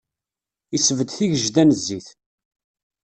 Isbedd tigejda n zzit.